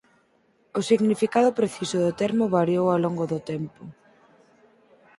O significado preciso do termo variou ao longo do tempo.